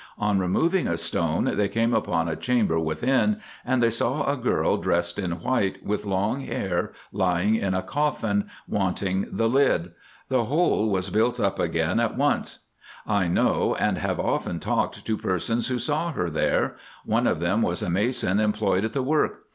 On removing a stone, they came upon a chamber within, and they saw a girl dressed in white, with long hair, lying in a coffin, wanting the lid. The hole was built up again at once. I know, and have often talked to persons who saw her there. One of them was a mason employed at the work.